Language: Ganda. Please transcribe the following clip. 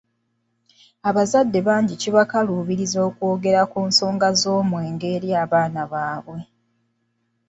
Abazadde bangi kibakaluubirira okwogera ku nsonga z’omwenge eri abaana baabwe.